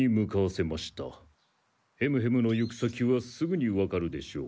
ヘムヘムの行き先はすぐにわかるでしょう。